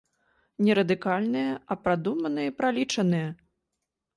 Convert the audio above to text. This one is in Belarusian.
Не радыкальныя, а прадуманыя і пралічаныя.